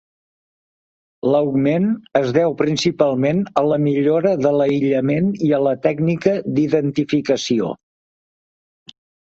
L"augment es deu principalment a la millora de l"aïllament i a la tècnica d"identificació.